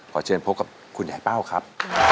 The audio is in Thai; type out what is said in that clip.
ขอเชิญพบกับคุณใหญ่เป้าครับ